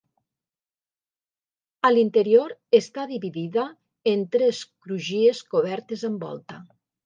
A l'interior està dividida en tres crugies cobertes amb volta.